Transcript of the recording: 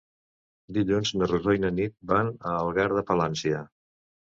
Dilluns na Rosó i na Nit van a Algar de Palància.